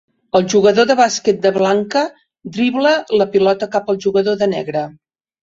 El jugador de bàsquet de blanca dribla la pilota cap al jugador de negre.